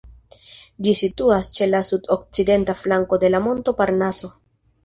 Ĝi situas ĉe la sud-okcidenta flanko de la monto Parnaso.